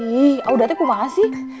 ih audate kumangasih